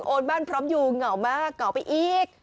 บ้านพร้อมอยู่เหงามากเหงาไปอีก